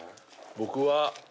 僕は。